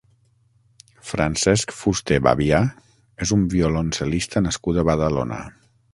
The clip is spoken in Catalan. Francesc Fusté Babià és un violoncel·lista nascut a Badalona.